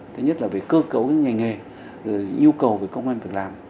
thứ nhất là về cơ cấu ngành nghề nhu cầu về công an thực làm